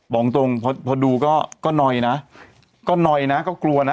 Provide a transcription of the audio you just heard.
บอกตรงพอดูก็หน่อยนะก็หน่อยนะก็กลัวนะ